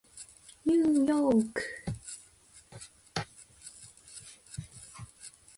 ニューヨーク